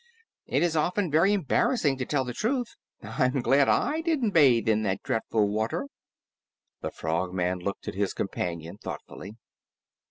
"It is often very embarrassing to tell the truth. I'm glad I didn't bathe in that dreadful water!" The Frogman looked at his companion thoughtfully.